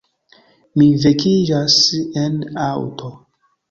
Mi vekiĝas en aŭto.